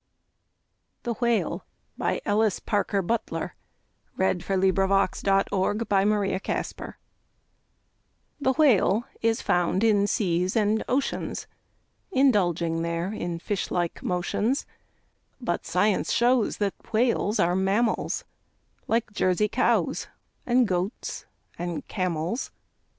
The Whale By Ellis Parker Butler The Whale is found in seas and oceans, Indulging there in fishlike motions, But Science shows that Whales are mammals, Like Jersey cows, and goats, and camels.